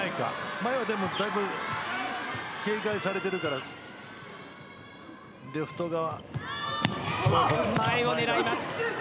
前はだいぶ警戒されているからレフト側。